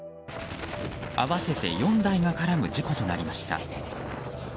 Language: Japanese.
合わせて４台が絡む事故となりました。